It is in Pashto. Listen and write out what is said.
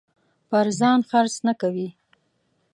پر ځان خرڅ نه کوي.